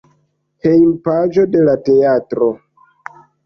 Hejmpaĝo de la teatro.